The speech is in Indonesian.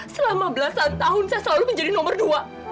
selama belasan tahun saya selalu menjadi nomor dua